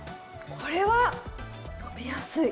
これは飲みやすい！